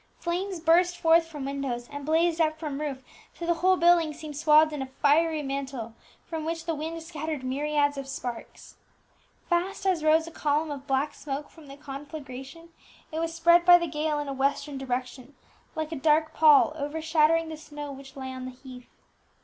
Flames burst forth from windows, and blazed up from roof, till the whole building seemed swathed in a fiery mantle, from which the wind scattered myriads of sparks. Fast as rose a column of black smoke from the conflagration, it was spread by the gale in a western direction, like a dark pall overshadowing the snow which lay on the heath.